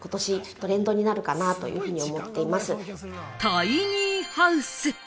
タイニーハウス。